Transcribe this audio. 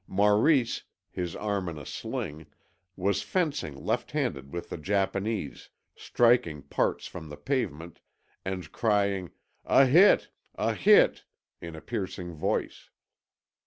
Maurice, his arm in a sling, was fencing left handed with the Japanese, striking sparks from the pavement, and crying "A hit! a hit!" in a piercing voice.